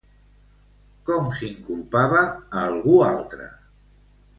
Com s'inculpava a algú altre?